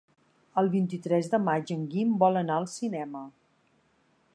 El vint-i-tres de maig en Guim vol anar al cinema.